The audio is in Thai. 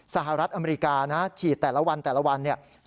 สหรัฐอเมริกาฉีดแต่ละวัน